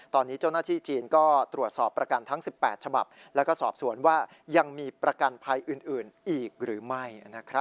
ตอนนี้เจ้าหน้าที่จีนก็ตรวจสอบประกันทั้ง๑๘ฉบับแล้วก็สอบสวนว่ายังมีประกันภัยอื่นอีกหรือไม่